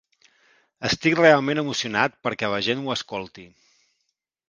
Estic realment emocionat perquè la gent ho escolti.